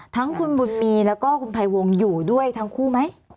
ทั้งคุณบุญมีแล้วก็คุณภัยวงอยู่ด้วยทั้งคู่ไหม